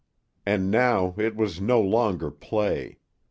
And now it was no longer play.